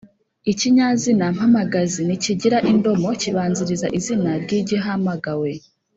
Ikinyazina mpamagazi ntikigira indomo, kibanziriza izina ry’igihamagawe